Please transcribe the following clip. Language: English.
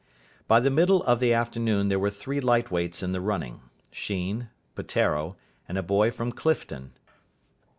By the middle of the afternoon there were three light weights in the running Sheen, Peteiro, and a boy from Clifton.